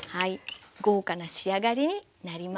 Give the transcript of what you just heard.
豪華な仕上がりになります。